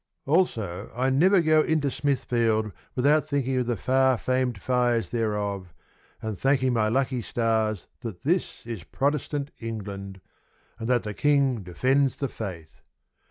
Also, I never go into Smithfield Without thinking of the far famed fires thereof And thanking my lucky stars That this is Protestant England And that the King defends the Faith.